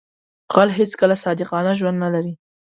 غل هیڅکله صادقانه ژوند نه لري